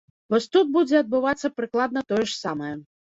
Вось тут будзе адбывацца прыкладна тое ж самае.